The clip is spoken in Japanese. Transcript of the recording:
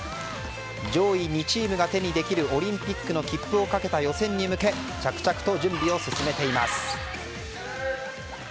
上位２チームが手にできるオリンピックの切符をかけた予選に向け着々と準備を進めています。